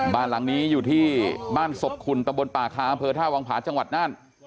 บ้านหลังนี้อยู่ที่บ้านศพคุณตะบนป่าคาอำเภอท่าวังผาจังหวัดน่าน